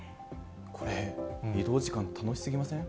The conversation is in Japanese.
これ、移動時間、楽しすぎません？